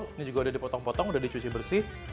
ini juga udah dipotong potong udah dicuci bersih